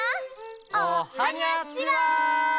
おはにゃちは！